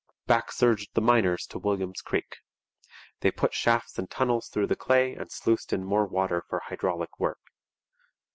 Back surged the miners to William's Creek. They put shafts and tunnels through the clay and sluiced in more water for hydraulic work.